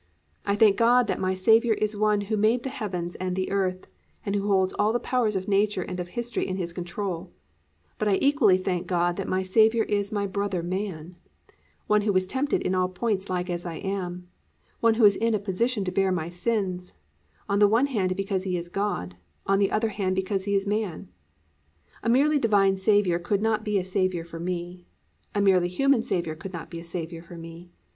I thank God that my Saviour is One who made the heavens and the earth, and who holds all the powers of nature and of history in His control; but I equally thank God that my Saviour is my brother man, One who was tempted in all points like as I am, One who is in a position to bear my sins, on the one hand because He is God, on the other hand because He is man. A merely divine Saviour could not be a Saviour for me. A merely human Saviour could not be a Saviour for me.